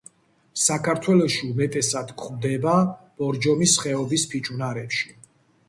საქართველოში უმეტესად გვხვდება ბორჯომის ხეობის ფიჭვნარებში.